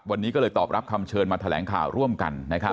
วันนี้ก็เลยตอบรับคำเชิญมาแถลงข่าวร่วมกัน